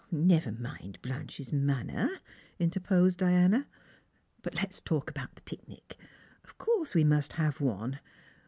" Never mind Blanche's manner," interposed Diana, " but let's talk about the picnic. Of course we must have one.